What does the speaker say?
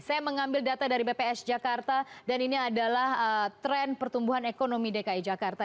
saya mengambil data dari bps jakarta dan ini adalah tren pertumbuhan ekonomi dki jakarta